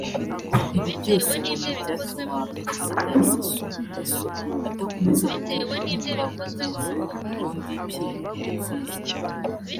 Ibi byose ngo ni ibyatuma Perezida Sassou Nguesso adakomeza gutera inkunga mugenzi we w’u Burundi Pierre Nkurunziza